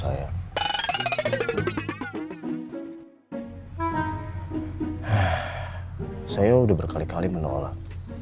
saya sudah berkali kali menolak